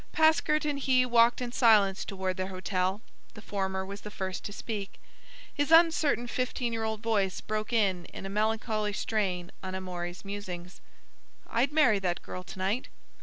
Paskert and he walked in silence toward their hotel. The former was the first to speak. His uncertain fifteen year old voice broke in in a melancholy strain on Amory's musings: "I'd marry that girl to night."